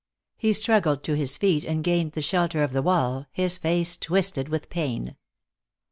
He struggled to his feet and gained the shelter of the wall, his face twisted with pain.